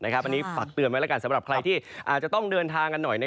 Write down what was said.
อันนี้ฝากเตือนไว้แล้วกันสำหรับใครที่อาจจะต้องเดินทางกันหน่อย